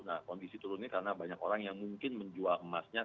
nah kondisi turunnya karena banyak orang yang mungkin menjual emasnya